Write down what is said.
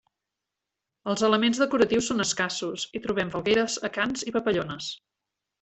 Els elements decoratius són escassos, hi trobam falgueres, acants i papallones.